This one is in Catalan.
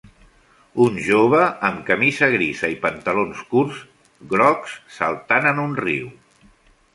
un jove amb camisa grisa i pantalons curts grocs saltant en un riu.